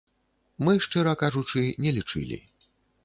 Мы, шчыра кажучы, не лічылі.